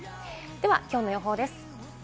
今日の予報です。